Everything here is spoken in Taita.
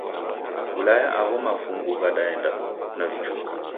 W'ulaya agho mafungu ghaenda na vichuku.